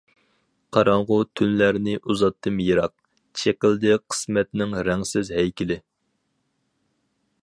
قاراڭغۇ تۈنلەرنى ئۇزاتتىم يىراق، چېقىلدى قىسمەتنىڭ رەڭسىز ھەيكىلى.